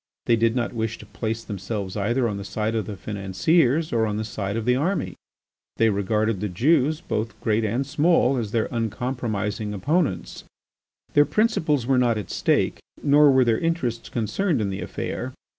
They did not wish to place themselves either on the side of the financiers or on the side of the army. They regarded the Jews, both great and small, as their uncompromising opponents. Their principles were not at stake, nor were their interests concerned in the affair.